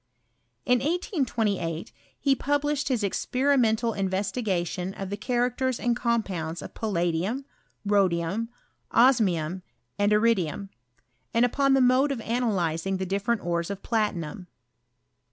In 1828 ho published his experimental investi gation of the cliaractera and compounds of palla dium, rhodium, osmium, aud iridium; and upon the mode of analyzing the di£ferent_ores of platinum.